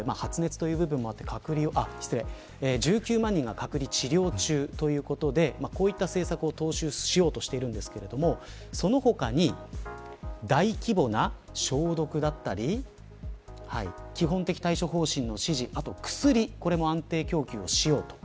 今、１９万人が隔離治療中ということでこういった政策を踏襲しようとしていますがその他に大規模な消毒だったり基本的対処方針の指示薬の安定供給をしよう。